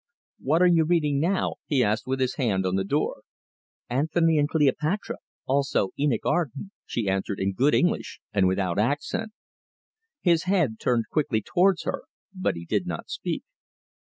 "What are you reading now?" he asked, with his hand on the door. "Antony and Cleopatra, also Enoch Arden," she answered, in good English, and without accent. His head turned quickly towards her, but he did not speak.